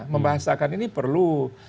membahasakan ini perlu